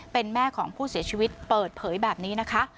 เป็นแม่ของผู้เสียชีวิตเปิดเผยแบบนี้นะคะ